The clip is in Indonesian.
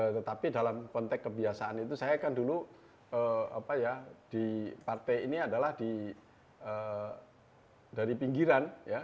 tetapi dalam konteks kebiasaan itu saya kan dulu di partai ini adalah dari pinggiran